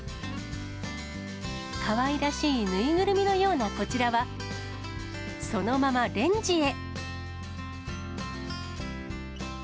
かわいらしい縫いぐるみのようなこちらは、そのままレンジへ。